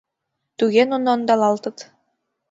Тыге нуно ондалалтыт...